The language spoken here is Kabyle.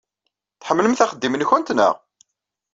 Tḥemmlemt axeddim-nwent, naɣ?